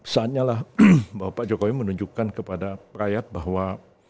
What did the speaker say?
saatnya lah bahwa pak jokowi menunjukkan kepada rakyat bahwa